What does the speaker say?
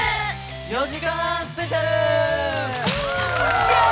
４時間半スペシャル！